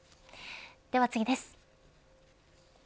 では次です。